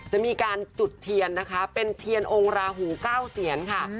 จะมีการจุดเทียนนะคะเป็นเทียนองค์ราหู๙เสียนค่ะ